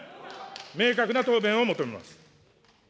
明確な答弁を求めます。